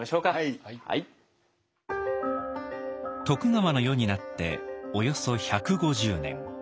徳川の世になっておよそ１５０年。